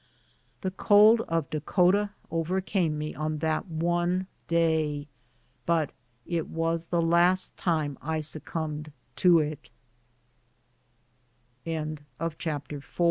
The cold of Dakota overcame me on that one day, but it was the last time I succumbed to i